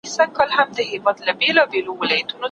علمي سیمینار له پامه نه غورځول کیږي.